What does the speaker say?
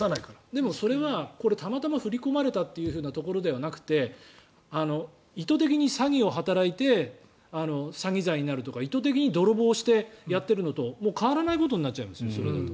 でもそれは、これたまたま振り込まれたというふうなところではなくて意図的に詐欺を働いて詐欺罪になるとか意図的に泥棒してやっているのと変わらないことになっちゃいますよ。